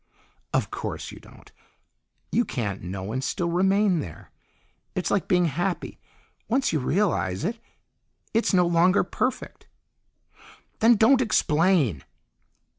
"Of course you don't. You can't know and still remain there. It's like being happy; once you realize it, it's no longer perfect." "Then don't explain!"